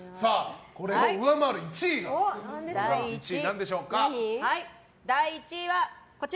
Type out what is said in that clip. これを上回る１位は何でしょう。